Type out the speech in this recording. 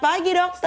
selamat pagi dokter